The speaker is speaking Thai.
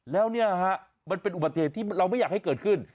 แล้วเนี่ยฮะมันเป็นอุบัติเหตุที่เราไม่อยากให้เกิดขึ้น